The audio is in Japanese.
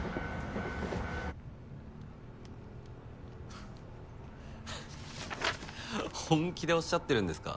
ハハッ本気でおっしゃってるんですか？